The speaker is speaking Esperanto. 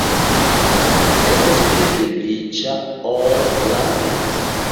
Vi estas pli feliĉa ol la princo.